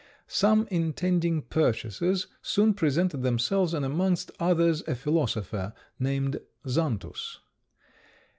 Some intending purchasers soon presented themselves, and amongst others a philosopher named Xantus.